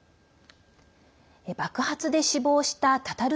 爆発で死亡したタタル